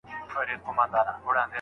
آیا د علاج مصارف پر خاوند باندې واجب دي؟